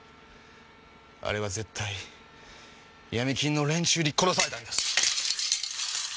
あれは絶対ヤミ金の連中に殺されたんです！